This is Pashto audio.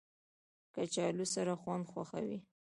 کچالو سړه خونه خوښوي